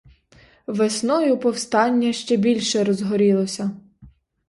Весною повстання ще більше розгорілося.